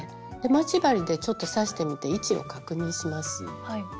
待ち針でちょっと刺してみて位置を確認します。